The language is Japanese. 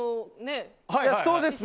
そうですね。